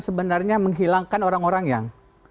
sebenarnya menghilangkan orang orang yang